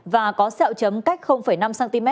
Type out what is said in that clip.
và có sẹo chấm cách năm cm